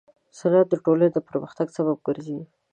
صنعت د ټولنې د پرمختګ سبب ګرځي.